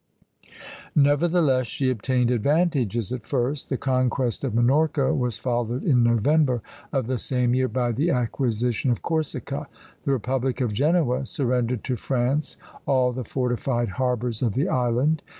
Nevertheless, she obtained advantages at first. The conquest of Minorca was followed in November of the same year by the acquisition of Corsica. The republic of Genoa surrendered to France all the fortified harbors of the island.